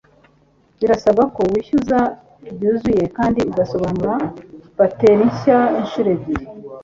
Birasabwa ko wishyuza byuzuye kandi ugasohora bateri nshya inshuro ebyiri